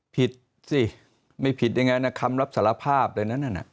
ผิดสิไม่ผิดยังไงนะคำรับสารภาพอะไรนั้น